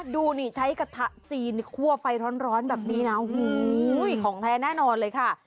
ดูนี่ใช้กระทะจีนคั่วไฟร้อนแบบนี้นะของแท้แน่นอนเลยค่ะ